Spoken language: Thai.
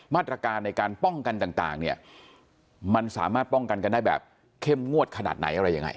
มาตรการในการป้องกันต่างเนี่ยมันสามารถป้องกันกันได้แบบเข้มงวดขนาดไหนอะไรยังไง